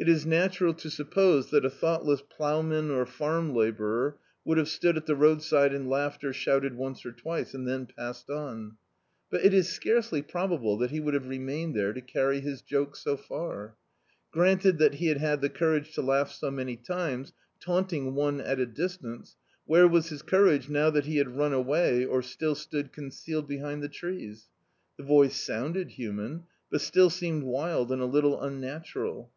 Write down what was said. It is natural to suppose that a thoughtless ploughman, or farm labourer, would have stood at the roadside and laughed or shouted mice or twice, and then passed on, but it is scarcely probable that he would have remained there to carry his joke so far. Granted that he had had the courage to laugh so many times, taunting one at a distance, where was his courage now that he had run away, or still stood cOTicealed behind the trees? TTic voice sounded human, but still seemed wild and a little unnatural.